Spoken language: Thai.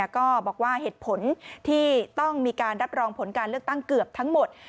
ก็บอกว่าเหตุผลที่ต้องมีการรับรองผลการเลือกตั้งเกือบทั้งหมด